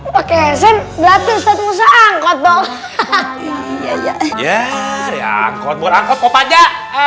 pakai sen belatuh ustadz musa angkot dong hahaha ya ya ya angkot angkot mau pajak